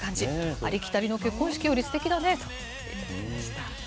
ありきたりの結婚式より、すてきだねと頂きました。